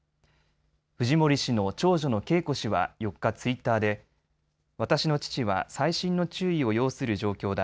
フジモリ氏の長女のケイコ氏は４日、ツイッターで私の父は細心の注意を要する状況だ。